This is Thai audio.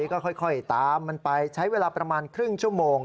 ก็ค่อยตามมันไปใช้เวลาประมาณครึ่งชั่วโมง